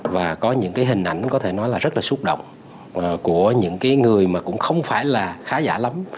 và có những cái hình ảnh có thể nói là rất là xúc động của những cái người mà cũng không phải là khá giả lắm